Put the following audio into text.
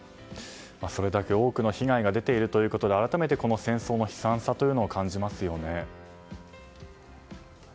それだけ多くの被害が出ているということで改めて、この戦争の悲惨さを感じますよね。